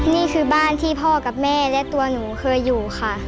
นี่คือบ้านที่พ่อกับแม่และตัวหนูเคยอยู่ค่ะ